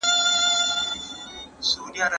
ایا خصوصي سکتور د توکو کیفیت لوړوي؟